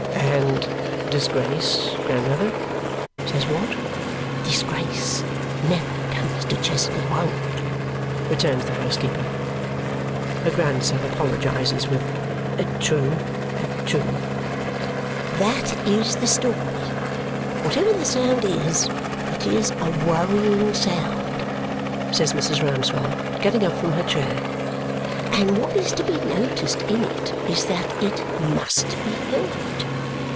"And disgrace, grandmother " says Watt. "Disgrace never comes to Chesney Wold," returns the housekeeper. Her grandson apologizes with "True. True." "That is the story. Whatever the sound is, it is a worrying sound," says Mrs. Rouncewell, getting up from her chair; "and what is to be noticed in it is that it MUST BE HEARD.